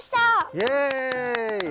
イエイ！